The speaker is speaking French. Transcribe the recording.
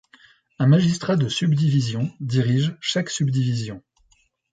Un magistrat de subdivision dirige chaque subdivision.